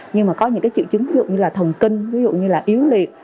nhưng mà có những triệu chứng ví dụ như là thần kinh ví dụ như là yếu liệt